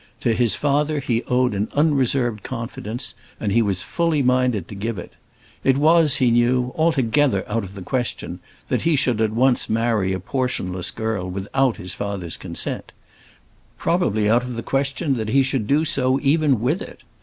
To his father he owed an unreserved confidence; and he was fully minded to give it. It was, he knew, altogether out of the question that he should at once marry a portionless girl without his father's consent; probably out of the question that he should do so even with it.